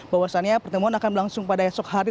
bahwasannya pertemuan akan berlangsung pada esok hari